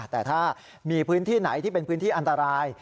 แต่ถ้ามีพื้นที่ไหนที่เป็นพื้นที่อันตราย